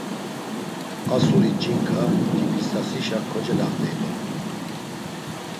A suri ç̌inǩa, Cibist̆asişa kocelaxt̆ey dort̆u.